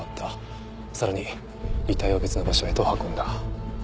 さらに遺体を別の場所へと運んだ。